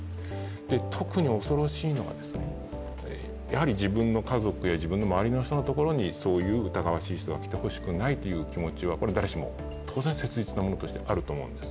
特に恐ろしいのは、やはり自分の家族や自分の周りの人にそういう疑わしい人が来てほしくないという気持ちは、誰しも、切実なものとしてあると思うんです。